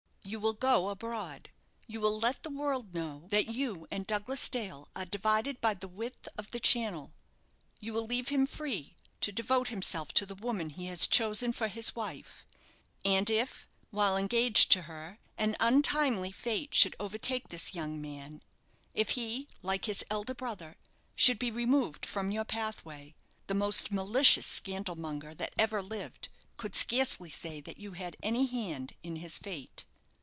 "You will go abroad; you will let the world know that you and Douglas Dale are divided by the width of the Channel; you will leave him free to devote himself to the woman he has chosen for his wife; and if, while engaged to her, an untimely fate should overtake this young man if he, like his elder brother, should be removed from your pathway, the most malicious scandal monger that ever lived could scarcely say that you had any hand in his fate."